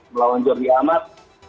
melawan jordi amat